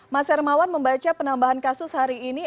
mas hermawan membaca penambahan kasus hari ini